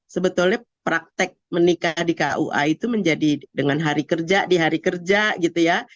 sebetulnya praktek menikah di kua itu menjadi dengan hari kerja di hari kerja gitu ya